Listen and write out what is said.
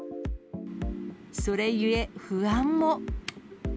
それゆえ、不安も。